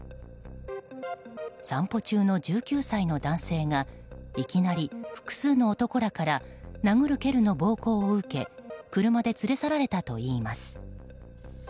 散歩中の１９歳の男性がいきなり複数の男らから殴る蹴るの暴行を受け車で連れ去られたといいます。